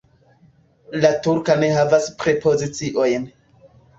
La turka ne havas prepoziciojn.